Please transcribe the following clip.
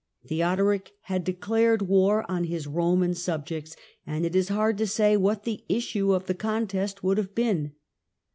Theodoric had declared war on his Roman subjects, and it is hard to say what the issue of the contest would have been.